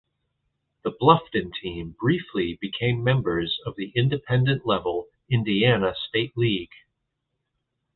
The Bluffton team briefly became members of the Independent level Indiana State League.